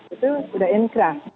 itu sudah inkrah